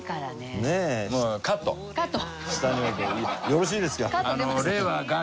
よろしいですか？